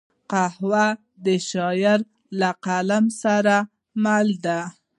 قهوه د شاعر له قلم سره مل ده